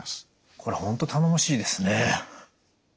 これ本当頼もしいですね。